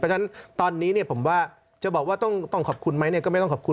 เพราะฉะนั้นตอนนี้ผมว่าจะบอกว่าต้องขอบคุณไหมก็ไม่ต้องขอบคุณ